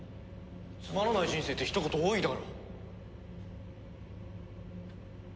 つまらない人生って一言多いだろ！